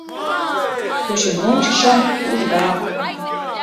Кучен ончышым — ужга.